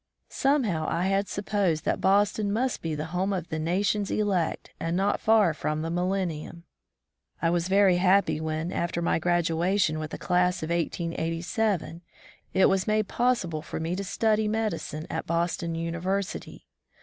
Some how I had supposed that Boston must be the home of the nation's elect and not far from the millenium. I was very happy 70 College Life in the East when, after my graduation with the class of 1887, it was made possible for me to study medicine at Boston University.